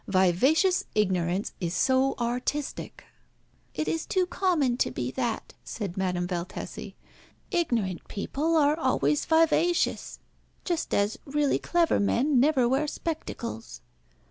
Vivacious ignorance is so artistic." "It is too common to be that," said Madame Valtesi. "Ignorant people are always vivacious, just as really clever men never wear spectacles.